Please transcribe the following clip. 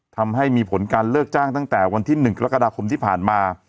ทำให้มีผลการเลิกจ้างตั้งแต่วันที่๑กรกฎาคมที่ผ่านมา